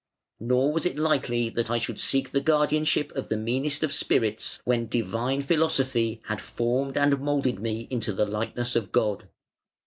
Nor was it likely that I should seek the guardianship of the meanest of spirits when Divine Philosophy had formed and moulded me into the likeness of God.